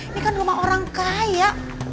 ini kan rumah orang kaya